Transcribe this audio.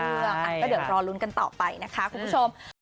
ก็เดี๋ยวรอลุ้นกันต่อไปนะคะคุณผู้ชม